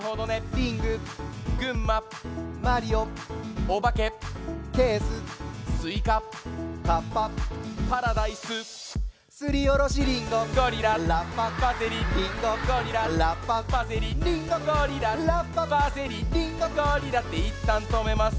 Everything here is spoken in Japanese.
リング群馬マリオオバケケーススイカカッパパラダイスすりおろしリンゴゴリララッパパセリリンゴゴリララッパパセリリンゴゴリララッパパセリリンゴゴリラっていったんとめます